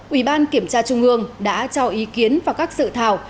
sáu ubnd tp hcm đã cho ý kiến và các sự thảm